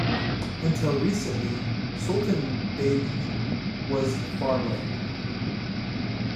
Until recently Sultanbeyli was farmland.